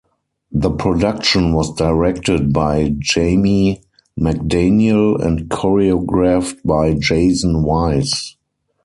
The production was directed by Jayme McDaniel, and choreographed by Jason Wise.